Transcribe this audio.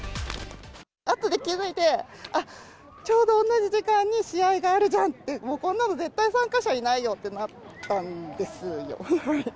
あとで気付いて、あっ、ちょうど同じ時間に試合があるじゃんって、もうこんなの絶対、参加者いないよってなったんですよ。